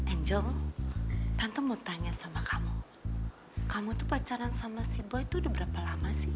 angel tante mau tanya sama kamu kamu tuh pacaran sama si bo itu udah berapa lama sih